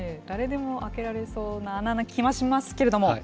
誰でも開けられそうな穴の気はしますけれども。